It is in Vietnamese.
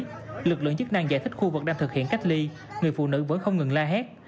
tuy nhiên lực lượng chức năng giải thích khu vực đang thực hiện cách ly người phụ nữ vẫn không ngừng la hét